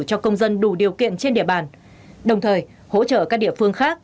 cho công dân đủ điều kiện trên địa bàn đồng thời hỗ trợ các địa phương khác